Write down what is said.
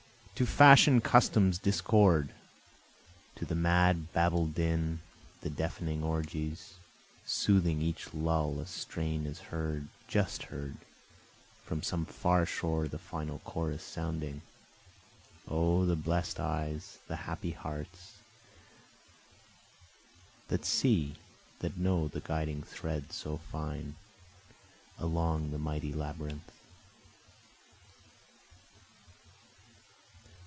To fashion's, custom's discord, To the mad Babel din, the deafening orgies, Soothing each lull a strain is heard, just heard, From some far shore the final chorus sounding. O the blest eyes, the happy hearts, That see, that know the guiding thread so fine, Along the mighty labyrinth.